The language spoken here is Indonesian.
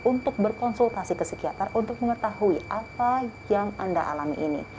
untuk berkonsultasi ke psikiater untuk mengetahui apa yang anda alami ini